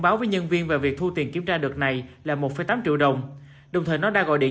báo với nhân viên về việc thu tiền kiểm tra đợt này là một tám triệu đồng đồng thời nó đã gọi điện